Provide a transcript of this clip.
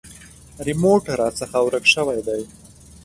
ریموټ راڅخه ورک شوی دی .